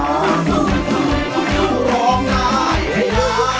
สำหรับเพลงนี้มีมูลค่า๔๐๐๐๐บาทคุณนุ้ยร้องไปแล้วนะครับ